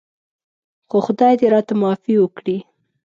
خو خدای دې راته معافي وکړي.